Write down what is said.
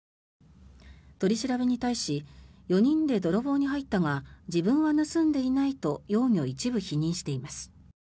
取り調べに対し４人で泥棒に入ったが自分は盗んでいないと容疑を一部否認しています。